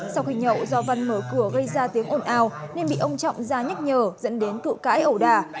sau khi nhậu do văn mở cửa gây ra tiếng ồn ào nên bị ông trọng ra nhắc nhở dẫn đến cự cãi ẩu đà